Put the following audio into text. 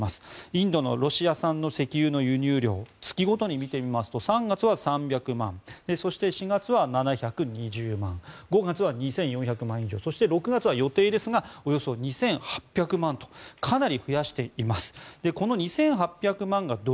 インドのロシア産の石油の輸入量を月ごとに見てみますと３月は３００万そして４月は７２０万５月は２４００万以上そして、６月は予定ですがおよそ２８００万とかなり増やしています。